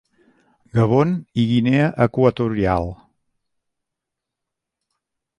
Gabon i Guinea Equatorial.